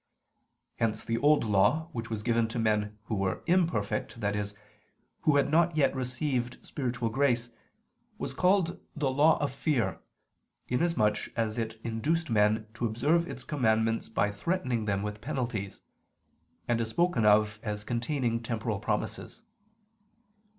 Hence the Old Law, which was given to men who were imperfect, that is, who had not yet received spiritual grace, was called the "law of fear," inasmuch as it induced men to observe its commandments by threatening them with penalties; and is spoken of as containing temporal promises.